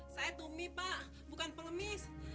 saya tumi pak bukan pengemis